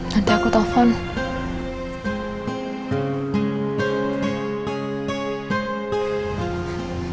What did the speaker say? nanti aku telepon